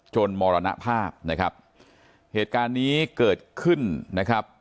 มรณภาพนะครับเหตุการณ์นี้เกิดขึ้นนะครับ